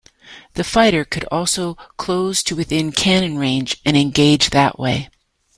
The fighter could also close to within cannon range and engage that way.